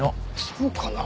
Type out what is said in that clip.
そうかな？